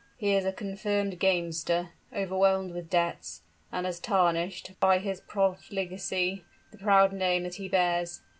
"He is a confirmed gamester overwhelmed with debts and has tarnished, by his profligacy, the proud name that he bears.